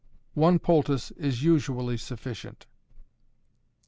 One poultice is usually sufficient.